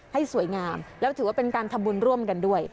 ให้สวยงามแล้วถือว่าเป็นการทำบุญร่วมกันด้วย